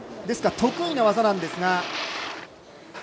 ですから得意な技なんですが。